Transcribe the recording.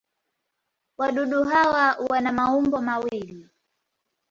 Wadudu hawa wana maumbo mawili.